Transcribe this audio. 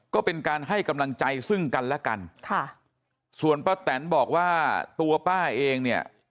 ก็เป็นการให้กำลังใจซึ่งกันและกันค่ะส่วนป้าแตนบอกว่าตัวป้าเองเนี่ย